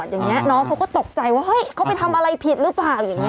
อย่างนี้น้องเขาก็ตกใจว่าเฮ้ยเขาไปทำอะไรผิดหรือเปล่าอย่างนี้